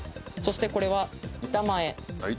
そしてこれは「板前」。